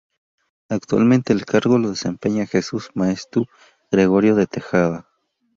Actualmente el cargo lo desempeña Jesús Maeztu Gregorio de Tejada.